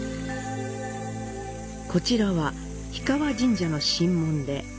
こちらは、氷川神社の神紋で「